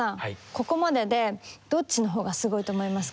ここまででどっちのほうがすごいと思いますか？